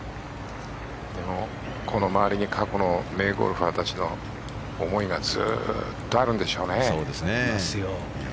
でも、この周りに過去の名ゴルファーたちの思いがずっとあるんでしょうね。